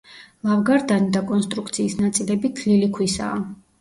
ლავგარდანი და კონსტრუქციის ნაწილები თლილი ქვისაა.